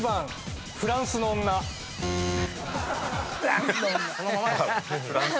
・「フランスの女」え。